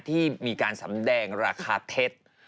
ที่มีการสำแดงราคาเท็จ